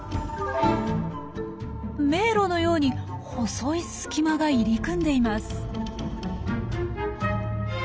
迷路のように細い隙間が入り組んでいます。